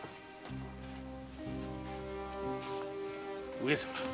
上様。